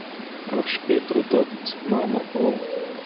— Горшки друтоваць, мамо-о-о!